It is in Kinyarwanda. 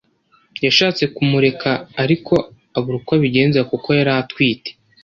yashatse kumureka ariko abura uko abigenza kuko yari atwite